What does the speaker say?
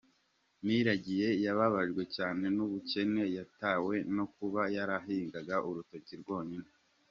Niragiye yababajwe cyane n’ubukene yatewe no kuba yarahingaga urutoki rwonyine.